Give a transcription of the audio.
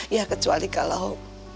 ya kecuali kalau